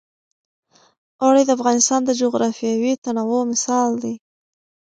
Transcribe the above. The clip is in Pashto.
اوړي د افغانستان د جغرافیوي تنوع مثال دی.